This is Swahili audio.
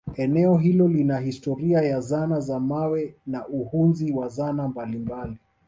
eneo hilo lina historia ya zana za mawe na uhunzi wa zana mbalimbali